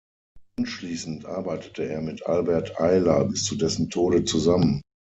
Anschließend arbeitete er mit Albert Ayler bis zu dessen Tode zusammen.